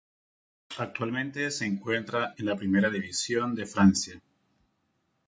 Actualmente se encuentra en la Primera División de Francia.